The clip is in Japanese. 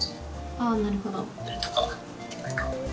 あなるほど。